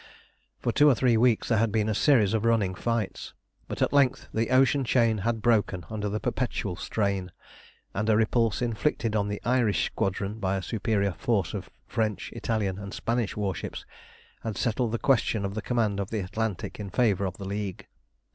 For two or three weeks there had been a series of running fights; but at length the ocean chain had broken under the perpetual strain, and a repulse inflicted on the Irish Squadron by a superior force of French, Italian, and Spanish warships had settled the question of the command of the Atlantic in favour of the League.